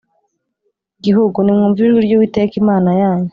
gihugu ntimwumvire ijwi ry Uwiteka Imana yanyu